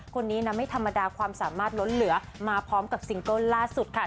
คนนี้นะไม่ธรรมดาความสามารถล้นเหลือมาพร้อมกับซิงเกิ้ลล่าสุดค่ะ